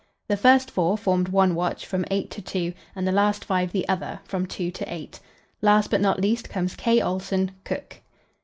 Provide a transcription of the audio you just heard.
The first four formed one watch, from eight to two, and the last five the other, from two to eight. Last, but not least, comes K. Olsen, cook.